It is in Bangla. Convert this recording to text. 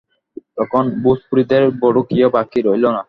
তখন ভোজপুরীদের বড়ো কেউ বাকি রইল না।